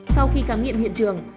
sau khi khám nghiệm hiện trường